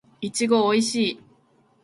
いちごおいしい